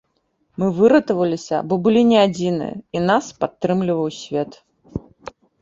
Мы выратаваліся, бо былі не адзіныя і нас падтрымліваў свет.